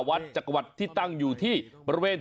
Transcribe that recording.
โอ้โห